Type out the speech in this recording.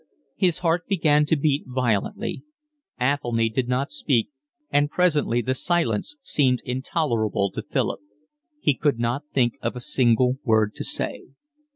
His heart began to beat violently. Athelny did not speak, and presently the silence seemed intolerable to Philip. He could not think of a single word to say.